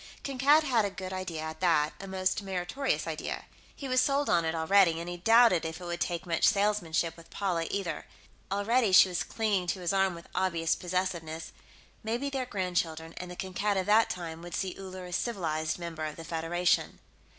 Kankad had a good idea, at that, a most meritorious idea. He was sold on it, already, and he doubted if it would take much salesmanship with Paula, either. Already, she was clinging to his arm with obvious possessiveness. Maybe their grandchildren, and the Kankad of that time, would see Uller a civilized member of the Federation....